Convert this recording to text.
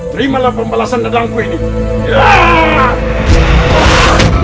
terimalah pembalasan dadamku ini